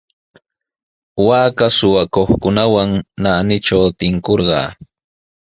Waaka suqakuqkunawan naanitraw tinkurqaa.